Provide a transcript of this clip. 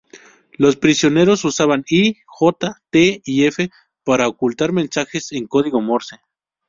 Los prisioneros usaban i, j, t y f para ocultar mensajes en código morse.